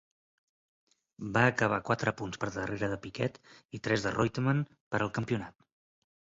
Va acabar quatre punts per darrere de Piquet i tres de Reutemann per al campionat.